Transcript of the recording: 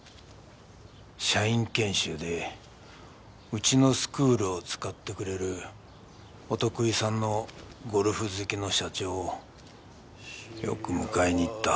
社員研修でうちのスクールを使ってくれるお得意さんのゴルフ好きの社長をよく迎えに行った。